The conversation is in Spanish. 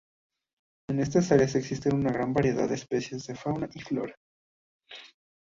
En estas áreas existe una gran variedad de especies de fauna y flora.